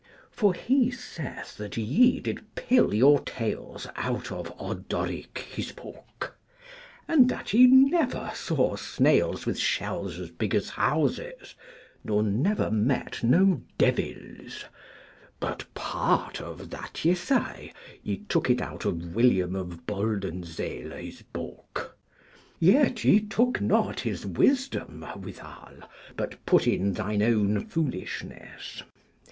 For he saith that ye did pill your tales out of Odoric his book, and that ye never saw snails with shells as big as houses, nor never met no Devyls, but part of that ye say, ye took it out of William of Boldensele his book, yet ye took not his wisdom, withal, but put in thine own foolishness.